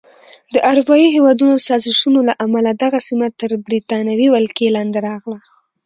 د اروپایي هېوادونو سازشونو له امله دغه سیمه تر بریتانوي ولکې لاندې راغله.